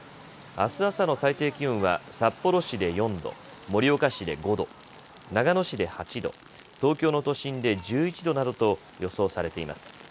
あす朝の最低気温は札幌市で４度、盛岡市で５度、長野市で８度、東京の都心で１１度などと予想されています。